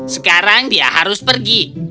sekarang dia harus pergi